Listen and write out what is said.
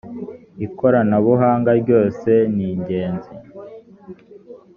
ikoranabuhanga ryose ningenzi.